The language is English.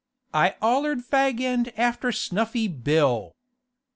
'I 'ollered fag end after Snuffy Bill!